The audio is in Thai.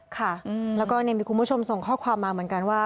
ค่ะแล้วก็มีคุณผู้ชมส่งข้อความมาเหมือนกันว่า